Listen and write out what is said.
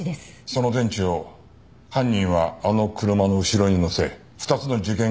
その電池を犯人はあの車の後ろに載せ２つの事件